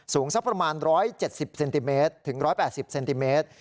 สูงสักประมาณ๑๗๐เซนติเมตรถึง๑๘๐เซนติเมตร